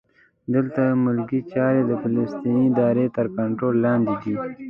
دلته ملکي چارې د فلسطیني ادارې تر کنټرول لاندې دي.